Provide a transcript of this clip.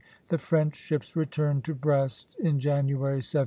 The French ships returned to Brest in January, 1781.